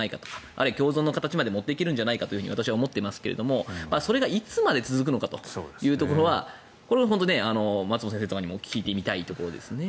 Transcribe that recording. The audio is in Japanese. あるいは共存の形まで持っていけるのではと私は思っていますがそれがいつまで続くのかというところはこれは本当に松本先生とかにも聞いてみたいところですね。